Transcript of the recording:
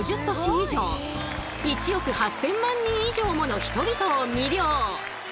以上１億８，０００万人以上もの人々を魅了！